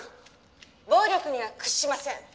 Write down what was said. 暴力には屈しません